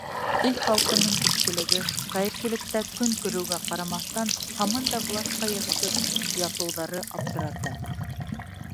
Ил халҡының күпселеге хәйерселектә көн күреүгә ҡарамаҫтан, һаман да власҡа йәбешеп ятыуҙары аптырата.